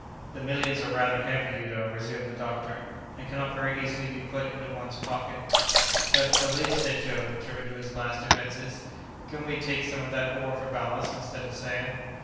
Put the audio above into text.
"The millions are rather heavy, you know," resumed the doctor, "and cannot very easily be put into one's pocket." "But, at least," said Joe, driven to his last defences, "couldn't we take some of that ore for ballast, instead of sand?"